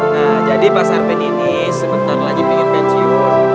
nah jadi mas arvin ini sebentar lagi pengen pensiun